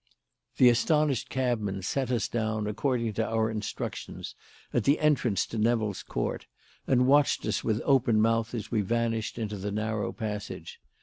The astonished cabman set us down, according to instructions, at the entrance to Nevill's Court, and watched us with open mouth as we vanished into the narrow passage.